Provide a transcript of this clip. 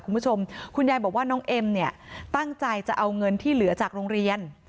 คุณผู้ชมคุณยายบอกว่าน้องเอ็มเนี่ยตั้งใจจะเอาเงินที่เหลือจากโรงเรียน